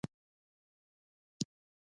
آزاد تجارت مهم دی ځکه چې مالیات زیاتوي.